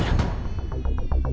aku mau pergi